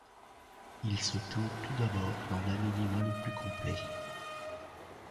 Il se tint tout d'abord dans l'anonymat le plus complet.